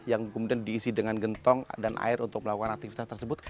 yang kemudian diisi dengan gentong dan air untuk melakukan aktivitas tersebut